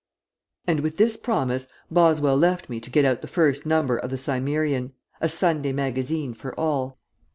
And with this promise Boswell left me to get out the first number of The Cimmerian: a Sunday Magazine for all.